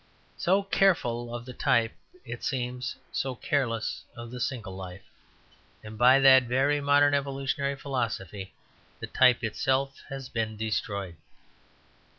So careful of the type it seems, so careless of the single life; and by that very modern evolutionary philosophy the type itself has been destroyed.